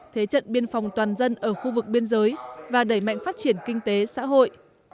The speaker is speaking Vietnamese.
thế trận biên phòng toàn dân ở khu vực biên giới và đẩy mạnh phát triển kinh tế xã hội